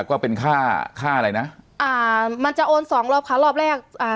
ก็เป็นค่าค่าอะไรนะอ่ามันจะโอนสองรอบค่ะรอบแรกอ่า